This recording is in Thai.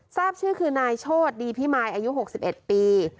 ทราบชื่อคือนายโชธดีพิมายอายุ๖๑ปี